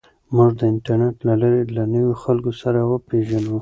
موږ د انټرنیټ له لارې له نویو خلکو سره پېژنو.